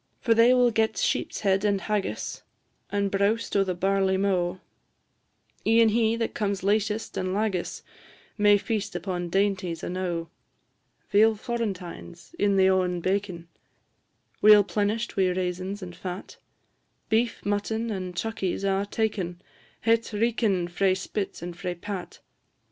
For they will get sheep's head and haggis, And browst o' the barley mow; E'en he that comes latest and lagis May feast upon dainties enow. Veal florentines, in the o'en baken, Weel plenish'd wi' raisins and fat; Beef, mutton, and chuckies, a' taken Het reekin' frae spit and frae pat.